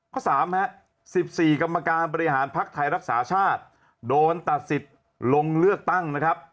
๓๑๔กรรมการบริหารภักดิ์ไทยรักษาชาติโดนตัดสิทธิ์ลงเลือกตั้งนะครับ